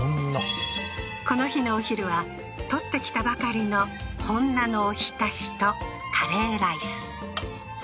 この日のお昼は採ってきたばかりのホンナのおひたしとカレーライス